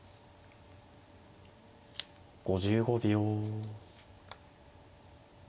５５秒。